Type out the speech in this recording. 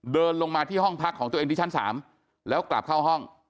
เดินลงมาที่ห้องพักของตัวเองที่ชั้น๓แล้วกลับเข้าห้อง